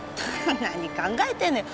何考えてんのよ。